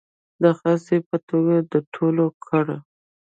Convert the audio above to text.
د خاصې په توګه در ټول کړه.